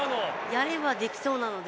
やればできそうなので。